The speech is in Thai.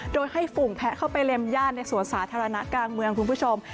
โดยให้ฝูงแพะเข้าไปเล็มย่านในสวนสาธารณะกลางเมืองคุณผู้ชม